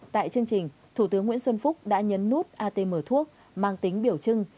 tại chương trình thủ tướng nguyễn xuân phúc đã nhấn nút atm thuốc mang tính biểu trưng